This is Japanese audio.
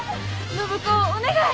暢子お願い！